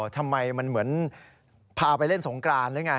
ทำไมมันเหมือนพาไปเล่นสงกรานหรือไง